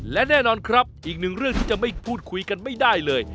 และแน่นอนครับอีกหนึ่งเรื่องที่จะไม่พูดคุยกันไม่ได้เลย